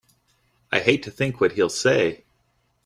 I hate to think what he'll say!